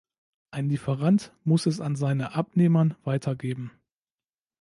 Ein Lieferant muss es an seine Abnehmern weitergeben.